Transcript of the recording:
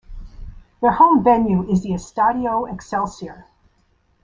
Their home venue is the Estadio Excelsior.